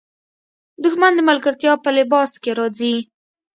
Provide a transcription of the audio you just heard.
دښمن د ملګرتیا په لباس کې راځي